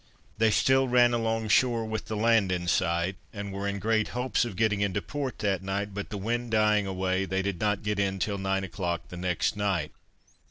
They still ran along shore with the land in sight, and were in great hopes of getting into port that night, but the wind dying away, they did not get in till nine o'clock the next night.